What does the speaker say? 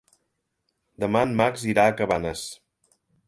Demà en Max irà a Cabanes.